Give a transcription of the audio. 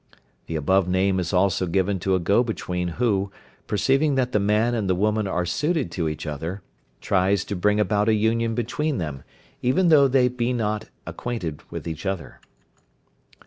The above name is also given to a go between who, perceiving that the man and the woman are suited to each other, tries to bring about a union between them, even though they be not acquainted with each other.